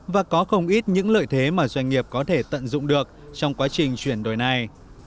và có không ít những lợi thế mà doanh nghiệp có thể tận dụng được trong quá trình chuyển đổi này